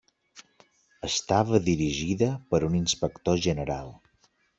Estava dirigida per un inspector general.